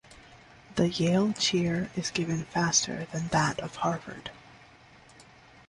The Yale cheer is given faster than that of Harvard.